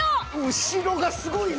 後ろがすごいな。